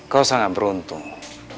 kau sangat beruntung